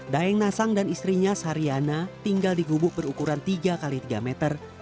daeng nasang dan istrinya sariana tinggal di gubuk berukuran tiga x tiga meter